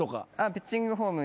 ピッチングフォーム